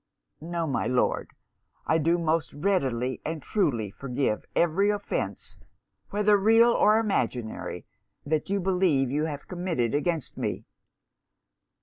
'No, my Lord. I do most readily and truly forgive every offence, whether real or imaginary, that you believe you have committed against me.'